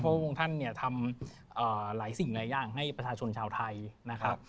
พระองค์ท่านเนี่ยทำหลายสิ่งหลายอย่างให้ประชาชนชาวไทยนะครับ